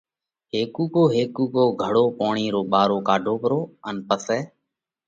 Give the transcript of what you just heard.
ھيڪو ھيڪو گھڙو پوڻي رو ٻارو ڪاڍو پرو ان پسئہ